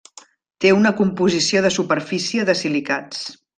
Té una composició de superfície de silicats.